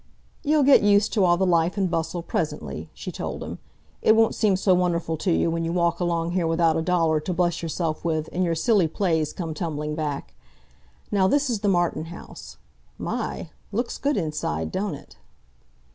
"You'll get used to all the life and bustle presently," she told him. "It won't seem so wonderful to you when you walk along here without a dollar to bless yourself with, and your silly plays come tumbling back. Now this is the Martin House. My! Looks good inside, don't it?"